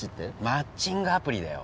マッチングアプリだよ！